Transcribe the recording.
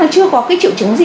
chưa có cái triệu chứng gì